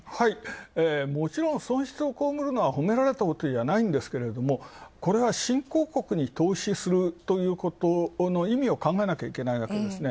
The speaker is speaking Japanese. もちろん損失をこうむるのはほめられたことじゃないんですが、これは新興国に投資するということの意味を考えなきゃいけないわけですね。